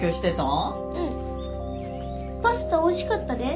パスタおいしかったで。